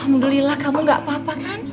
alhamdulillah kamu gak apa apa kan